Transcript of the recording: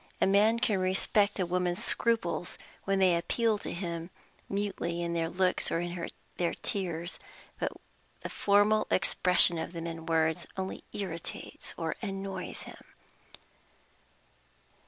A man can respect a woman's scruples when they appeal to him mutely in her looks or in her tears; but the formal expression of them in words only irritates or annoys him.